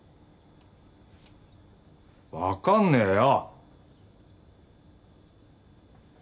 わかんねえよ！